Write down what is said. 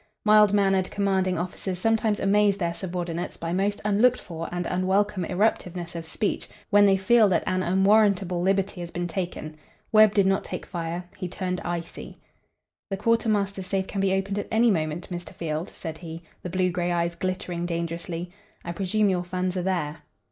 Mild mannered commanding officers sometimes amaze their subordinates by most unlooked for and unwelcome eruptiveness of speech when they feel that an unwarrantable liberty has been taken. Webb did not take fire. He turned icy. "The quartermaster's safe can be opened at any moment, Mr. Field," said he, the blue gray eyes glittering, dangerously. "I presume your funds are there."